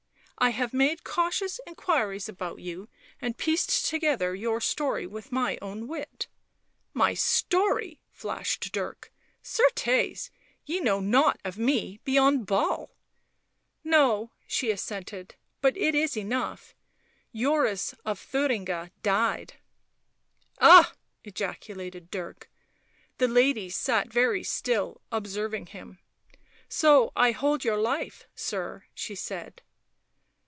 I have made cautious inquiries about you, and pieced together your story with my own wit." " My story !" flashed Dirk. " Ccrtes ! Ye know nought of me beyond Basle." a No," she assented. " But it is enough. Joris of Thuringia died." " Ah !" ejaculated Dirk. The lady sat very still, observing him. " So I hold your life, sir," she said.